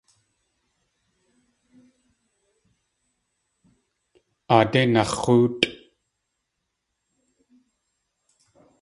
Aadé nax̲óotʼ!